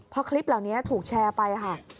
พอคลิปเหล่านี้ถูกแชร์ไปค่ะ